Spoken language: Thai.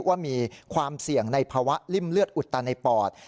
ว่ามีความเสี่ยงในภาวะริ่มเลือดอุดตันในปอด